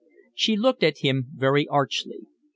She looked at him very archly.